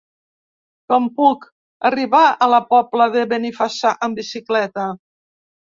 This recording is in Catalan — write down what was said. Com puc arribar a la Pobla de Benifassà amb bicicleta?